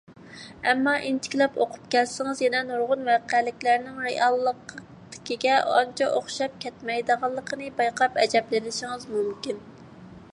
ئەمما ئىنچىكىلەپ ئوقۇپ كەلسىڭىز يەنە نۇرغۇن ۋەقەلىكلەرنىڭ رېئاللىقتىكىگە ئانچە ئوخشاپ كەتمەيدىغانلىقىنى بايقاپ ئەجەبلىنىشىڭىز مۇمكىن.